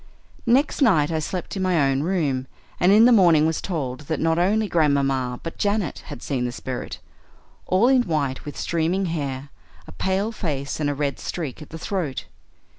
"Next night I slept in my own room, and in the morning was told that not only Grandmamma but Janet had seen the spirit. All in white, with streaming hair, a pale face, and a red streak at the throat.